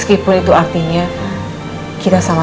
kamu ini jangan pastikan pak